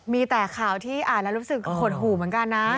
มีแต่ข่าวที่อ่านแล้วรู้สึกหดหู่เหมือนกันนะ